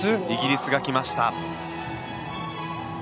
イギリスが来ました。